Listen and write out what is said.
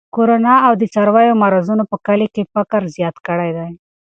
کرونا او د څارویو مرضونو په کلي کې فقر زیات کړی دی.